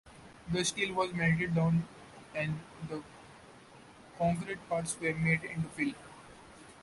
The steel was melted down and the concrete parts were made into fill.